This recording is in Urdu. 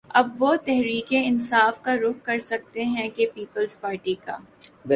اب وہ تحریک انصاف کا رخ کر سکتے ہیں کہ پیپلز پارٹی کا